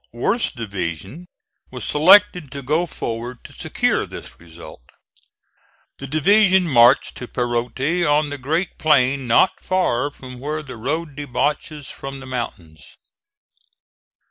Worth's division was selected to go forward to secure this result. The division marched to Perote on the great plain, not far from where the road debouches from the mountains.